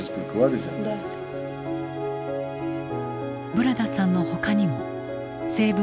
・ブラダさんのほかにもセーブ